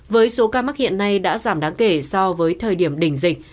với số ca mắc hiện nay đã giảm đáng kể so với thời điểm đỉnh dịch